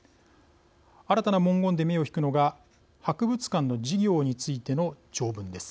新たな文言で目を引くのが博物館の事業についての条文です。